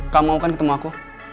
kamu kan ketemu aku